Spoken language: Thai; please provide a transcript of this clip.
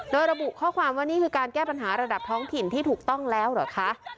โดยระบุข้อความว่านี่คือการแก้ปัญหาระดับท้องถิ่นที่ถูกต้องแล้วเหรอคะ